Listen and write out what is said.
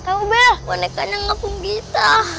tahu belah warna kandang apung kita